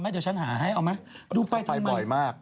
เดี๋ยวฉันหาให้เอาไหมดูไปทำไมคือไปบ่อยมาก